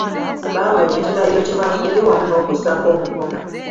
Baaweebwa ekirayiro kye baakubye wamu n'okussaako omukono.